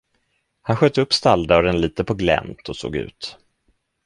Han sköt upp stalldörren litet på glänt och såg ut.